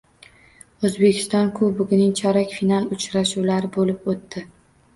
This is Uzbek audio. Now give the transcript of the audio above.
O‘zbekiston Kubogining chorak final uchrashuvlari bo‘lib o‘tdi